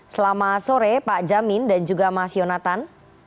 selamat sore pak jamin dan juga mas yonatan